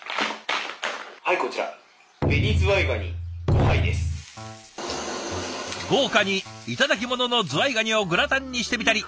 はいこちら豪華に頂き物のズワイガニをグラタンにしてみたり。